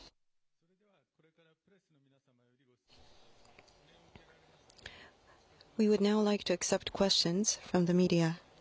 それではこれからプレスの皆様よりご質問を頂きます。